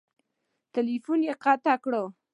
ټیلیفون یې قطع کړ !